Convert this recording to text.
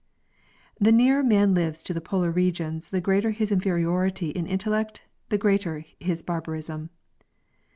The nearer man lives to the polar regions the greater his inferiority in intellect, the greater his barbarism.